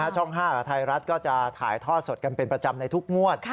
ช่อง๕กับไทยรัฐก็จะถ่ายทอดสดกันเป็นประจำในทุกงวด